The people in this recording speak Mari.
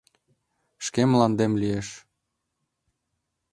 Шке мландем лиеш.